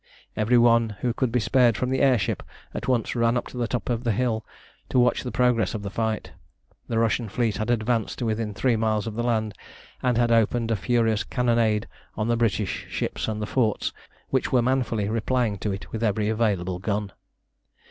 Every one who could be spared from the air ship at once ran up to the top of the hill to watch the progress of the fight. The Russian fleet had advanced to within three miles of the land, and had opened a furious cannonade on the British ships and the forts, which were manfully replying to it with every available gun.